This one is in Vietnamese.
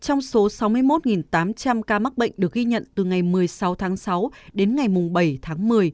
trong số sáu mươi một tám trăm linh ca mắc bệnh được ghi nhận từ ngày một mươi sáu tháng sáu đến ngày bảy tháng một mươi